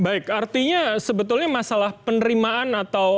baik artinya sebetulnya masalah penerimaan atau